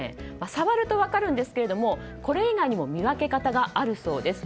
触ると分かるんですけれどもこれ以外にも見分け方があるそうです。